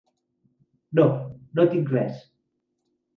No, no tinc res.